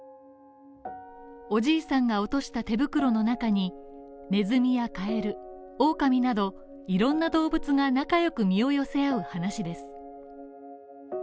おじいさんが落とした手袋の中にねずみやカエル、オオカミなどいろんな動物が仲良く身を寄せ合う話です。